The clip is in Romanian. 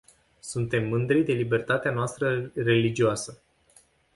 Suntem mândri de libertatea noastră religioasă.